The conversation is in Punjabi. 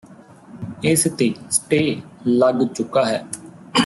ਇਸ ਤੇ ਸਟੇਅ ਲੱਗ ਚੁੱਕਾ ਹੈ